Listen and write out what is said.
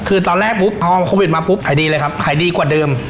คือตอนแรกปุ๊บพอโควิดมาปุ๊บขายดีเลยครับขายดีกว่าเดิม